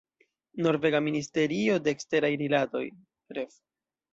Norvega ministerio de eksteraj rilatoj, ref.